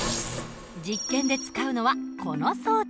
実験で使うのはこの装置。